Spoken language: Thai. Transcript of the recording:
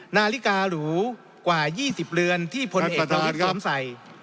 นาฬิกาหรูกว่า๒๐เรือนที่พลเอกสวมใส